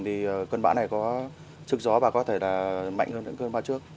thì cân bão này có trực gió và có thể là mạnh hơn những cân bão trước